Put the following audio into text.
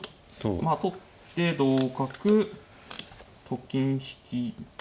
まあ取って同角と金引きとかですか。